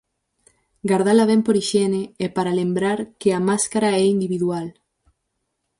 Gardala ben por hixiene e para lembrar que a máscara é individual.